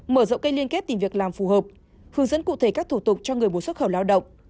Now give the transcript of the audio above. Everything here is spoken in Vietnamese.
mở rộng cây liên kết tìm việc làm phù hợp hướng dẫn cụ thể các thủ tục cho người muốn xuất khẩu lao động